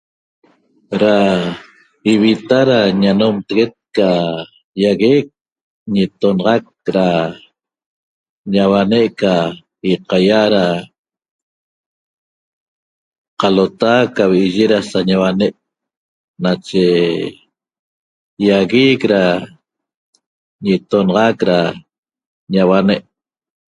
Da ivita da ñanomteguet ca ýaguec ñitonaxac da ñauanec ca ýaqaýa da qalota ca vi'iyi da sa ñauanec nache ýaguec da ñitonaxac da ñauane'